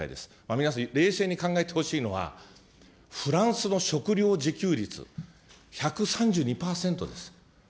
皆さん、冷静に考えてほしいのは、フランスの食料自給率１３２％です。